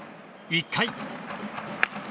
１回。